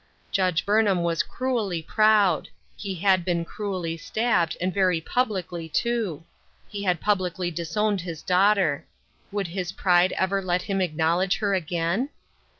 Judge Burnham was cruelly proud ; he had been cruelly stabbed, and 332 AT HOME. very publicly too ; he had publicly disowned his daughter. Would his pride ever let him ac knowledge her again